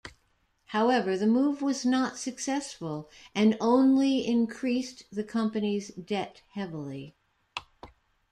However, the move was not successful and only increased the company's debt heavily.